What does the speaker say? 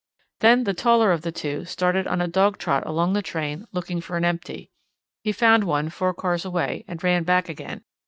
Then the taller of the two started on a dog trot along the train looking for an empty. He found one four cars away and ran back again.